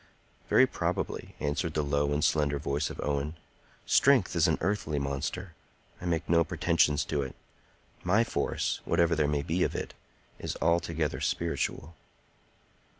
"Very probably," answered the low and slender voice of Owen. "Strength is an earthly monster. I make no pretensions to it. My force, whatever there may be of it, is altogether spiritual."